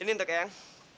ini untuk eang